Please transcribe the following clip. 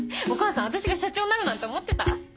お母さん私が社長になるなんて思ってた？